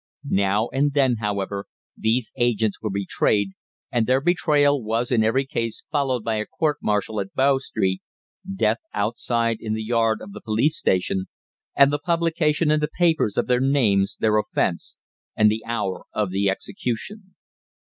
Now and then, however, these agents were betrayed, and their betrayal was in every case followed by a court martial at Bow Street, death outside in the yard of the police station, and the publication in the papers of their names, their offence, and the hour of the execution.